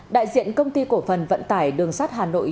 đại diện công ty cổ phần vận tải đường sắt hà nội